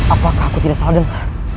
apakah aku tidak salah dengar